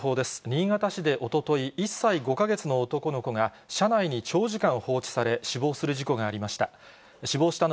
新潟市でおととい、１歳５か月の男の子が車内に長時間放置され、死亡する事故がありました。